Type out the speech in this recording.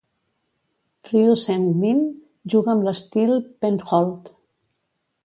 Ryu Seung-min juga amb l'estil penhold.